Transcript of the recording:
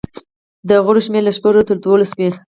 د غړو شمېر له شپږو تر دولسو وي.